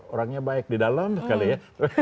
orangnya baik di dalam sekali ya